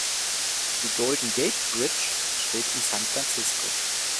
Die Golden Gate Bridge steht in San Francisco.